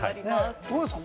どうですか？